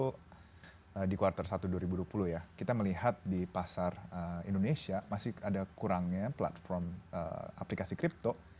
dan pada saat itu di quarter satu dua ribu dua puluh ya kita melihat di pasar indonesia masih ada kurangnya platform aplikasi kripto